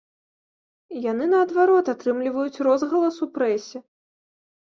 Яны, наадварот, атрымліваюць розгалас у прэсе.